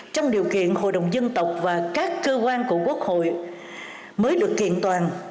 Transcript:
trong điều kiện hội đồng dân tộc và các cơ quan của quốc hội mới được kiện toàn